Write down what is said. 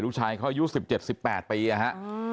ลูกชายเค้ายู่๑๗๑๘ปีอ่ะฮะ